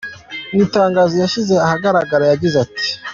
Mu itangazo yashyize ahagaragara, yagize ati:.